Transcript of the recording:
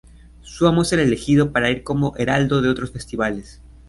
Su amo es el elegido para ir como heraldo de otros festivales.